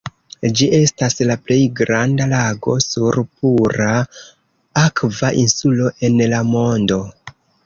Ĝi estas la plej granda lago sur pura akva insulo en la mondo.